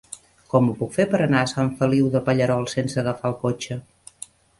Com ho puc fer per anar a Sant Feliu de Pallerols sense agafar el cotxe?